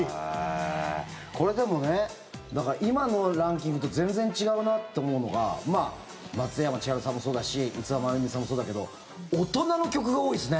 これ、でも今のランキングと全然違うなって思うのが松山千春さんもそうだし五輪真弓さんもそうだけど大人の曲が多いですね。